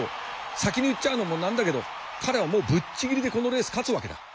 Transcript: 先に言っちゃうのもなんだけど彼はもうぶっちぎりでこのレース勝つわけだ！